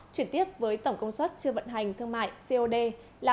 chuyển tiếp với tổng công suất chưa vận hành thương mại cod là một tám trăm năm mươi